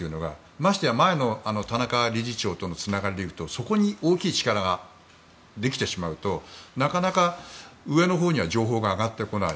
ましてや前の田中理事長とのつながりでいうとそこに大きい力ができてしまうとなかなか上のほうには情報が上がってこない